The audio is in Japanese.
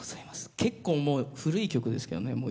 結構もう古い曲ですけどね。